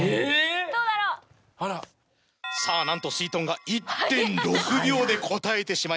どうだろ⁉さぁなんとすいとんが１．６秒で答えてしまいました。